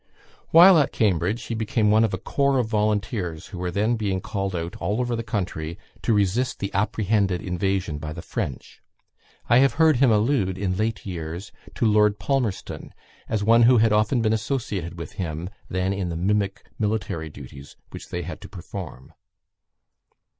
While at Cambridge, he became one of a corps of volunteers, who were then being called out all over the country to resist the apprehended invasion by the French. I have heard him allude, in late years, to Lord Palmerston as one who had often been associated with him then in the mimic military duties which they had to perform.